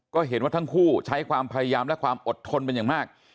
ก็เห็นว่าทั้งคู่ใช้ความพยายามและความอดทนเป็นอย่างมาก